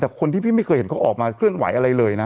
แต่คนที่พี่ไม่เคยเห็นเขาออกมาเคลื่อนไหวอะไรเลยนะ